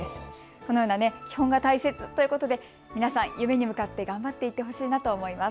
このような基本が大切ということで皆さん、夢に向かって頑張っていってほしいなと思います。